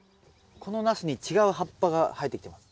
このナスに違う葉っぱが生えてきてます。